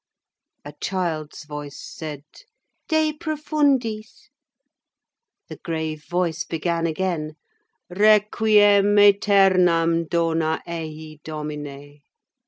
_ A child's voice said:— _"De profundis." _ The grave voice began again:— _"Requiem æternam dona ei, Domine."